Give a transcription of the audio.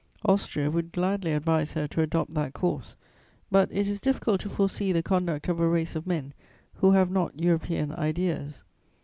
Austria would gladly advise her to adopt that course; but it is difficult to foresee the conduct of a race of men who have not European ideas.